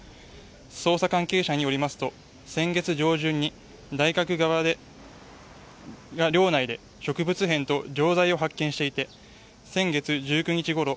捜査関係者によりますと先月上旬に大学側が寮内で植物片と錠剤を発見していて先月１９日ごろ